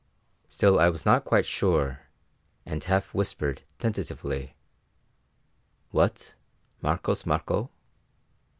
Still I was not quite sure, and half whispered tentatively, "What, Marcos Marcó?"